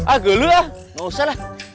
agel lu ya gak usah lah